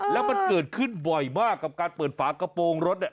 แล้วมันเกิดขึ้นบ่อยมากกับการเปิดฝากระโปรงรถเนี่ย